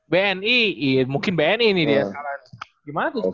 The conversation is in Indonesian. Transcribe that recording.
bni mungkin bni nih dia sekarang gimana tuh kak